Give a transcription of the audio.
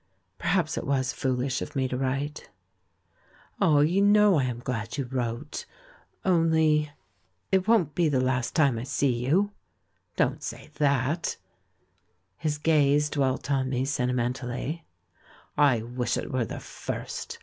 Perhaps it was foolish of me to write." "Ah, you know I am glad you wrote. Only — 380 THE MAN WHO UNDERSTOOD WOMEN It won't be the last time I see you? Don't say that." His gaze dwelt on me sentimentally. "I wish it were the first!